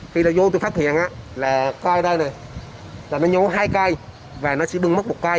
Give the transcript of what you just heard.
khi nó vô tôi phát hiện là coi đây này là nó nhổ hai cây và nó sẽ đừng mất một cây